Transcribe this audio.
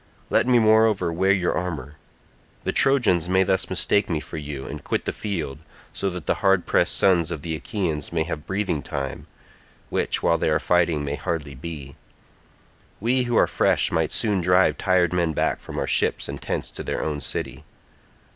Let me moreover wear your armour; the Trojans may thus mistake me for you and quit the field, so that the hard pressed sons of the Achaeans may have breathing time—which while they are fighting may hardly be. We who are fresh might soon drive tired men back from our ships and tents to their own city."